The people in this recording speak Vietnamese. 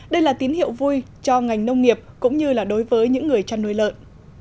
đây là tín hiệu vui cho ngành nông nghiệp cũng như là đối với những người chăn nuôi lợn